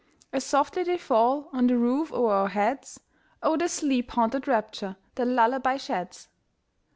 As softly they fall on the roof o'er our heads, O, the sleep haunted rapture their lullaby sheds!